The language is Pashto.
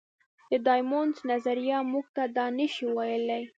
د ډایمونډ نظریه موږ ته دا نه شي ویلی.